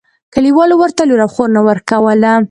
کلیوالو ورته لور او خور نه ورکوله.